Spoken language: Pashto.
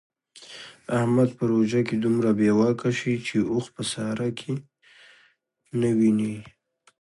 احمد په روژه کې دومره بې واکه شي چې اوښ په ساره نه ویني.